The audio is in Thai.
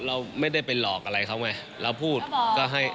เราไม่ได้ไปหลอกอะไรเค้าไง